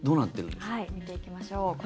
見ていきましょう。